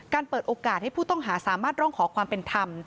เปิดโอกาสให้ผู้ต้องหาสามารถร้องขอความเป็นธรรม